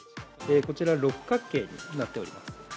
こちら、六角形になっております。